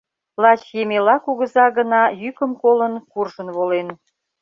Лач Емела кугыза гына йӱкым колын, куржын волен.